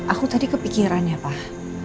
aku tadi kepikiran ya pak